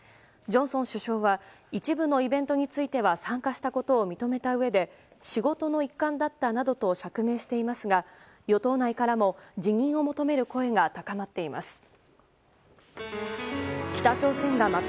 ジョンソン首相は一部のイベントについては参加したことを認めたうえで仕事の一環だったなどと釈明していますが与党内からも辞任を求める声が高まっています。